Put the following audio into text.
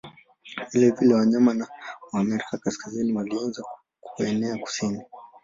Vilevile wanyama wa Amerika Kaskazini walianza kuenea kusini.